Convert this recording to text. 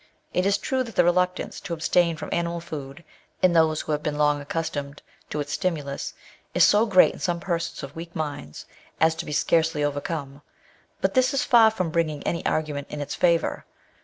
It is true that the reluctance to abstain from animal food, in those who have been long accustomed to its stimulus, is so great in some persons of weak minds, as to be scarcely overcome; but this is far from bringing any argu ment in its favour.